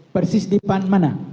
persis di depan mana